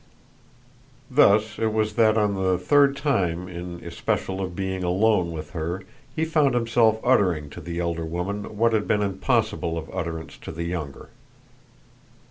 Thus it was that on the third time in especial of being alone with her he found himself uttering to the elder woman what had been impossible of utterance to the younger.